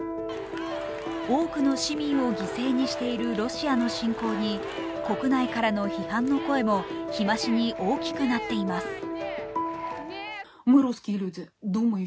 多くの市民を犠牲にしているロシアの侵攻に国内からの批判の声も日増しに大きくなっています。